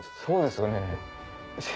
そうですよね。